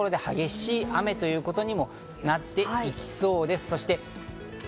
所々で激しい雨ということにもなっていきそうです。